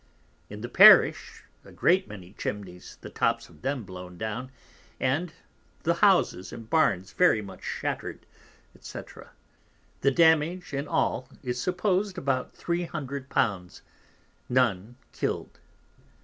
In the Parish, a great many Chimneys, the tops of them blown down, and the Houses and Barns very much shatter'd, &c. the damage in all is supposed about 300 l. none killed.